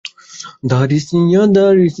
না, কুকুর নেই।